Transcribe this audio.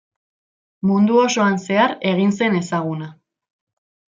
Mundu osoan zehar egin zen ezaguna.